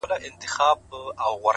• تاریخ کي یوازینی مشر دی ,